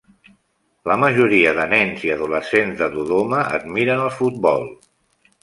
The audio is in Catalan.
La majoria de nens i adolescents de Dodoma admiren el futbol.